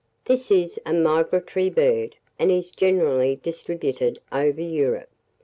This is a migratory bird, and is generally distributed over Europe.